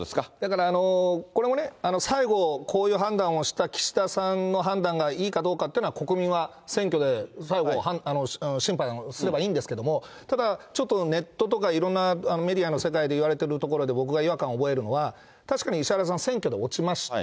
これも、最後、こういう判断をした岸田さんの判断がいいかどうかっていうのは、国民は選挙で最後審判すればいいんですけど、ただ、ちょっとネットとかいろんなメディアの世界で言われてるところで、僕が違和感を覚えるのは、確かに石原さん、選挙で落ちました。